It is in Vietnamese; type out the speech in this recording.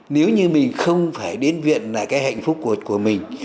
nếu như mình không phải đến viện là cái hạnh phúc của mình